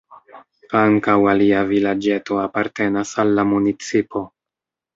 Ankaŭ alia vilaĝeto apartenas al la municipo.